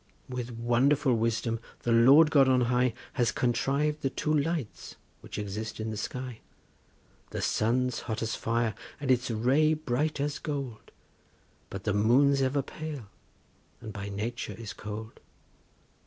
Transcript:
With wonderful wisdom the Lord God on high Has contriv'd the two lights which exist in the sky; The sun's hot as fire, and its ray bright as gold, But the moon's ever pale, and by nature is cold.